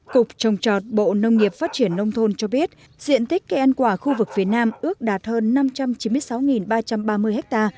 cục trồng trọt bộ nông nghiệp phát triển nông thôn cho biết diện tích cây ăn quả khu vực phía nam ước đạt hơn năm trăm chín mươi sáu ba trăm ba mươi ha